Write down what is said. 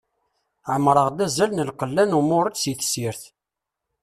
Ɛemmreɣ-d azal n lqella n umuṛej si tessirt.